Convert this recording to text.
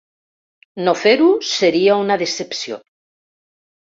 No fer-ho, seria una ‘decepció’.